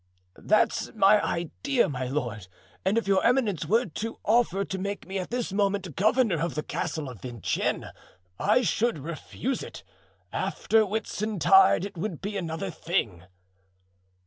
"That's my idea, my lord; and if your eminence were to offer to make me at this moment governor of the castle of Vincennes, I should refuse it. After Whitsuntide it would be another thing."